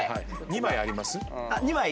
２枚あります。